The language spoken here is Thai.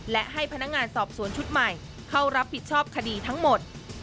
และให้พนักงานสอบสวนชุดใหม่เข้ารับผิดชอบคดีทั้งหมด